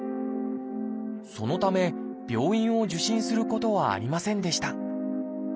そのため病院を受診することはありませんでした。